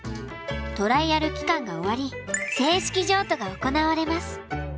トライアル期間が終わり正式譲渡が行われます。